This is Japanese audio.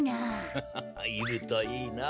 ハハハいるといいなあ。